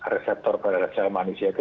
reseptor pada dasar manusia itu